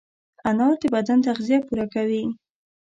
انار د بدن تغذیه پوره کوي.